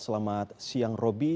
selamat siang roby